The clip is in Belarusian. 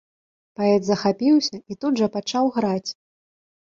Паэт захапіўся і тут жа пачаў граць.